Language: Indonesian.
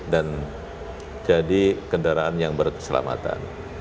dan jadi kendaraan yang berkeselamatan